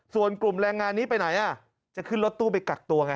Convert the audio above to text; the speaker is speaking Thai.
ส่วนกลุ่มแรงงานนี้ไปไหนจะขึ้นรถตู้ไปกักตัวไง